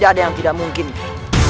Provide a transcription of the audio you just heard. aku harus menolongnya